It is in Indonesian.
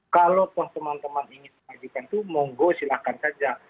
kalau teman teman ingin mengajukan itu monggo silahkan saja